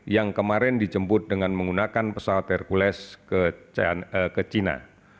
yang kemarin dijemput dengan menggunakan pesawat hercules ke china